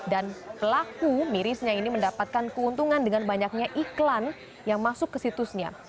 dan pelaku mirisnya ini mendapatkan keuntungan dengan banyaknya iklan yang masuk ke situsnya